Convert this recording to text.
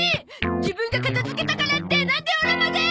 自分が片づけたからってなんでオラまで！